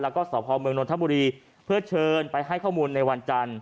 แล้วก็สพเมืองนทบุรีเพื่อเชิญไปให้ข้อมูลในวันจันทร์